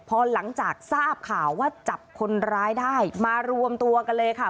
พอหลังจากทราบข่าวว่าจับคนร้ายได้มารวมตัวกันเลยค่ะ